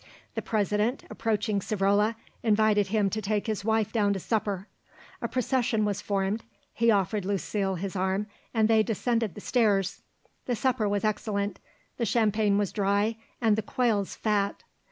The President, approaching Savrola, invited him to take his wife down to supper; a procession was formed; he offered Lucile his arm and they descended the stairs. The supper was excellent: the champagne was dry and the quails fat.